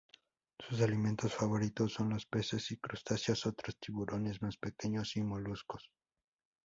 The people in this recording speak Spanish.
Sus alimentos favoritos son los peces y crustáceos, otros tiburones más pequeños, y moluscos.